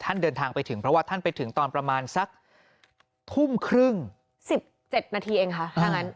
เดินทางไปถึงเพราะว่าท่านไปถึงตอนประมาณสักทุ่มครึ่ง๑๗นาทีเองค่ะถ้างั้น